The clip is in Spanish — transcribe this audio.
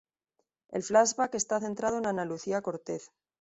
El flashback está centrado en Ana Lucía Cortez.